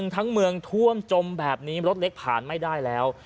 ทั้งเมืองท่วมจมแบบนี้รถเล็กผ่านไม่ได้แล้ว